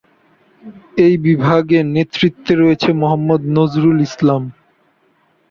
এই বিভাগের নেতৃত্বে রয়েছেন মোহাম্মদ নজরুল ইসলাম।